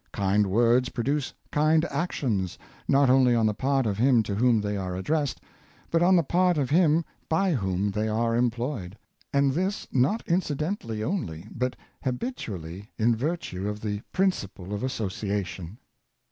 Kind words produce kind actions, not only on the part of him to whom they are addressed, but on the part of him by whom they are employed ; and this not incidental!}^ onl} , but habitually, in virtue of the principal of association.""